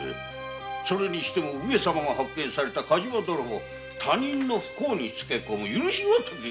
それにしても上様が発見された火事場泥棒他人の不幸につけこむ許し難いヤツ。